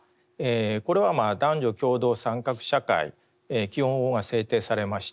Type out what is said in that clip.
これは男女共同参画社会基本法が制定されまして